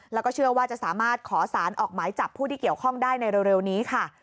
แล้วก็เชื่อว่าจะสามารถขอสารออกหมายจับผู้ที่เกี่ยวข้องได้ในเร็วนี้ค่ะ